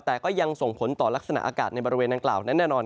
แต่ก็ยังส่งผลต่อลักษณะอากาศในบริเวณดังกล่าวนั้นแน่นอน